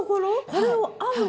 これを編むの？